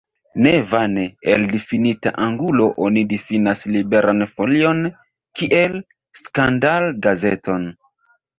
Ne vane, el difinita angulo oni difinas Liberan Folion kiel skandal-gazeton.